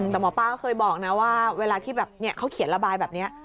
แต่หมอป้าก็เคยบอกนะว่าเวลาที่แบบเขาเขียนระบายแบบนี้